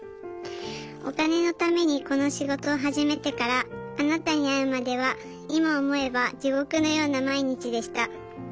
お金のためにこの仕事を始めてからあなたに会うまでは今思えば地獄のような毎日でした。